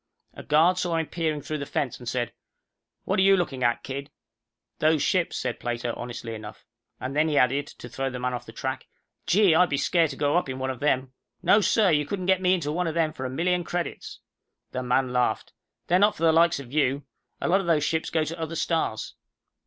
A guard saw him peering through the fence, and said, "What are you looking at, kid?" "Those ships," said Plato, honestly enough. And then he added, to throw the man off the track, "Gee, I'd be scared to go up in one of them. No, sir, you couldn't get me into one of them for a million credits." The man laughed. "They're not for the likes of you. A lot of those ships go to other stars."